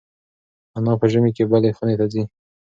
انا په ژمي کې بلې خونې ته ځي.